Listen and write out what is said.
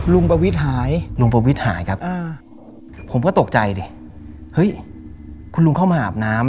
ประวิทย์หายลุงประวิทย์หายครับผมก็ตกใจดิเฮ้ยคุณลุงเข้ามาอาบน้ำ